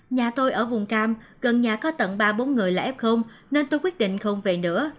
nhà tôi ở vùng cam gần nhà có tầng ba bốn người là f nên tôi quyết định không về nữa